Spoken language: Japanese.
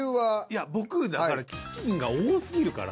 いや僕だからチキンが多すぎるから。